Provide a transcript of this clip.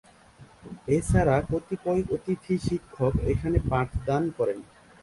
এছাড়া কতিপয় অতিথি শিক্ষক এখানে পাঠদান করেন।